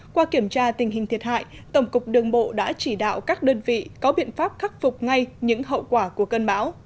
qua kiểm tra tình hình thiệt hại tổng cục đường bộ đã chỉ đạo các đơn vị có biện pháp khắc phục ngay những hậu quả của cơn bão